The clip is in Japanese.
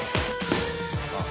あっ。